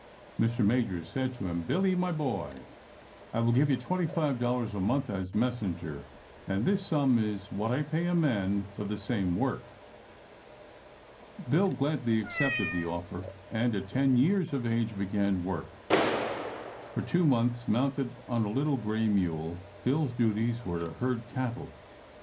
Mr. Majors said to him: "Billy, my boy, I will give you $25 a month as messenger, and this sum is what I pay a man for the same work." Bill gladly accepted the offer, and at ten years of age began work. For two months, mounted on a little gray mule, Bill's duties were to herd cattle.